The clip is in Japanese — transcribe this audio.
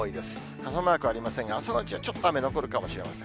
傘マークありませんが、朝のうちはちょっと雨残るかもしれません。